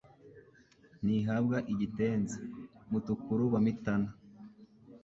Ntihabwa igitenzi* Mutukura wa Mitana